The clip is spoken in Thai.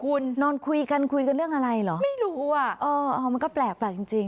คุณนอนคุยกันคุยกันเรื่องอะไรเหรอไม่รู้อ่ะเออมันก็แปลกแปลกจริงจริง